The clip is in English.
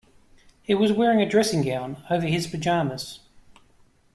He was wearing a dressing gown over his pyjamas